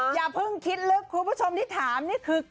อย่าเพิ่งคิดลึกคุณผู้ชมที่ถามนี่คือ